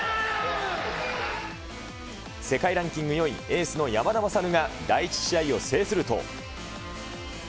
世界ランキング４位、エースの山田優が第１試合を制すると。